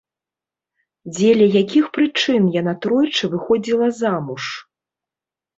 Дзеля якіх прычын яна тройчы выходзіла замуж?